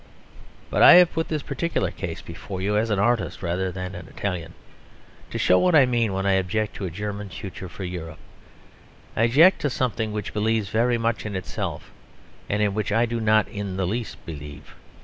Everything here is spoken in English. But I have put this particular case before you, as an artist rather than an Italian, to show what I mean when I object to a "German future for Europe." I object to something which believes very much in itself, and in which I do not in the least believe.